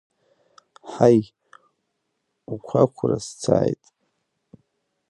Ҳаи, уқәақәра сцааит!